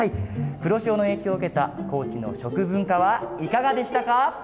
黒潮の影響を受けた高知の食文化はいかがでしたか？